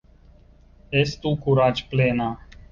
Estu Kuraĝplena!